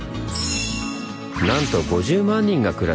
なんと５０万人が暮らす